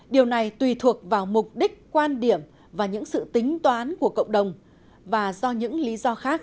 điều này tùy thuộc vào mục đích quan điểm và những sự tính toán của cộng đồng và do những lý do khác